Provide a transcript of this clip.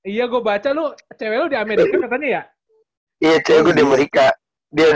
iya gue baca lu cewek lu di amerika katanya ya